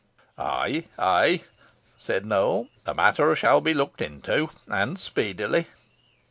"Ay, ay," said Nowell, "the matter shall be looked into and speedily."